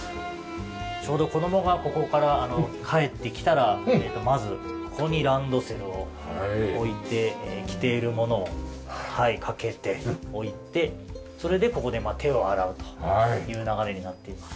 ちょうど子供がここから帰ってきたらまずここにランドセルを置いて着ているものを掛けて置いてそれでここで手を洗うという流れになっています。